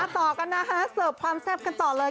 ต่อกันนะคะเสิร์ฟความแซ่บกันต่อเลย